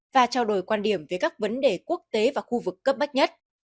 và trao đổi quan điểm về các vấn đề quốc tế và khu vực cấp bách nhất